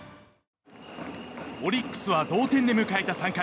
オリックスは同点で迎えた３回。